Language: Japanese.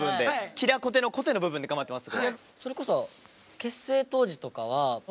キラコテのコテの部分で頑張ってます。